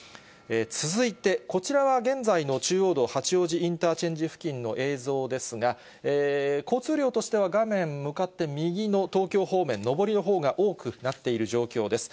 続いて、こちらは現在の中央道八王子インターチェンジ付近の映像ですが、交通量としては画面向かって右の東京方面、上りのほうが多くなっている状況です。